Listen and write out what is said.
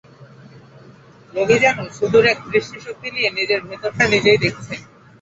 রোগী যেন সুদূর এক দৃষ্টিশক্তি নিয়ে নিজের ভেতরটা নিজেই দেখছে।